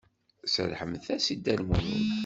Serrḥemt-as-d i Dda Lmulud.